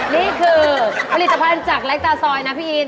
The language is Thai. นี่คือผลิตภัณฑ์จากเล็กตาซอยนะพี่อิน